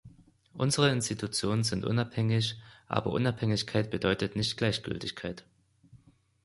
Unsere Institutionen sind unabhängig, aber Unabhängigkeit bedeutet nicht Gleichgültigkeit.